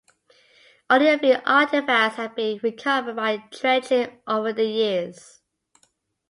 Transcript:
Only a few artifacts have been recovered by dredging over the years.